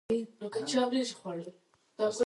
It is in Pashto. کلتور د افغانانو ژوند اغېزمن کوي.